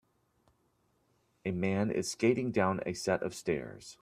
A man is skating down a set of stairs.